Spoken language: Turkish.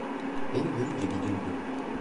Beni görünce bir güldü.